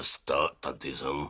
探偵さん。